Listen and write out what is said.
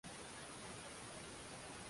Tumekuwa tukiongea na wao